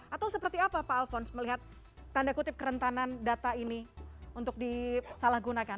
atau seperti apa pak alfons melihat tanda kutip kerentanan data ini untuk disalahgunakan